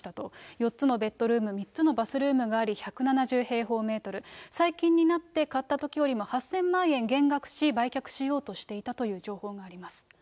４つのベッドルーム、３つのバスルームがあり、１７０平方メートル、最近になって、買ったときよりも８０００万円減額し、売却しようとしていたという情報があります。